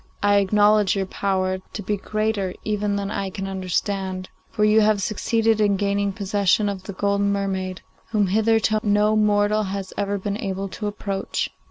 I acknowledge your power to be greater even than I can understand, for you have succeeded in gaining possession of the golden mermaid, whom hitherto no mortal has ever been able to approach.